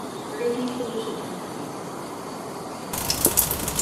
Le livre ne se trompait pas.